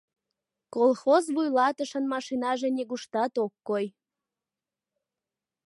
Колхоз вуйлатышын машинаже нигуштат ок кой.